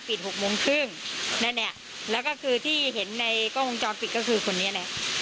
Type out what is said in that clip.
ปิดหกโมงครึ่งแน่แน่แล้วก็คือที่เห็นในกล้องมงจรปิดก็คือคนนี้แน่